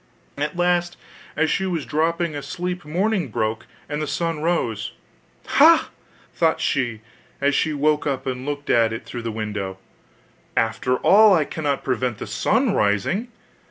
At last, as she was dropping asleep, morning broke, and the sun rose. 'Ha!' thought she, as she woke up and looked at it through the window, 'after all I cannot prevent the sun rising.